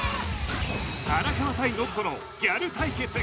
荒川対信子のギャル対決